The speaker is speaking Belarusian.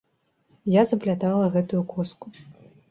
Я заплятала гэтую коску.